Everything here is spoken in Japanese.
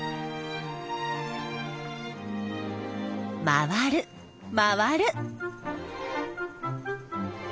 回る回る。